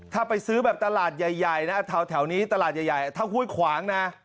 ถ้าไปซื้อแบบตลาดใหญ่นะแถวนี้ตลาดใหญ่ถ้าห้วยขวางนะ